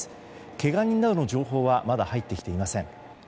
けが人などの情報はまだ入ってきていません。